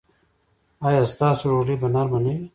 ایا ستاسو ډوډۍ به نرمه نه وي؟